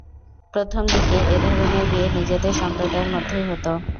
প্রথম দিকে এ ধরনের বিয়ে নিজেদের সম্প্রদায়ের মধ্যেই হতো।